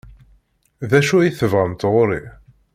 D acu ay tebɣamt ɣer-i?